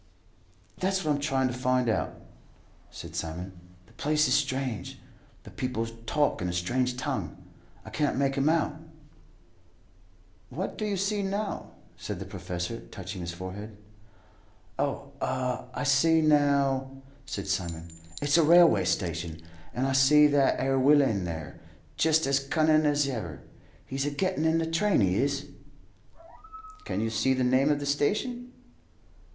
"That's what I'm trying to find out," said Simon. "The place is strange; the people talk in a strange tongue. I can't make 'em out." "What do you see now?" said the professor, touching his forehead. "Oh, ah, I see now," said Simon. "It's a railway station, and I see that 'ere willain there, jest as cunnin' as ever. He's a gettin' in the train, he is." "Can you see the name of the station?"